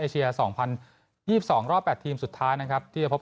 เอเชียสองพันยี่สิบสองรอบแปดทีมสุดท้ายนะครับที่จะพบ